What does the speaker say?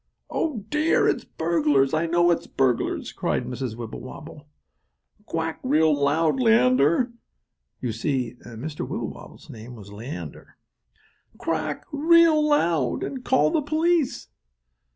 "Oh, dear! It's burglars! I know it's burglars!" cried Mrs. Wibblewobble. "Quack real loud, Leander" (you see Mr. Wibblewobble's name was Leander). "Quack real loud, and call the police!"